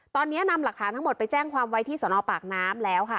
ตอนนี้นำหลักฐานทั้งหมดไปแจ้งความไว้ที่สนปากน้ำแล้วค่ะ